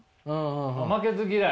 負けず嫌い？